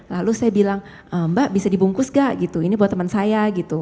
lalu saya bilang mbak bisa dibungkus gak gitu ini buat teman saya gitu